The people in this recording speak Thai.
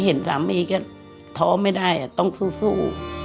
เห็นสามีก็ท้อไม่ได้ต้องสู้